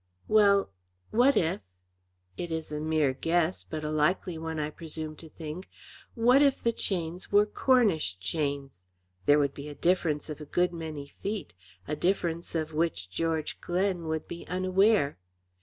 "Well, what if it is a mere guess, but a likely one, I presume to think, what if the chains were Cornish chains? There would be a difference of a good many feet, a difference of which George Glen would be unaware.